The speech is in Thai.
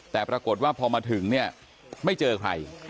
แต่ปรากฏว่าพอมาถึงเนี่ยไม่เจอใคร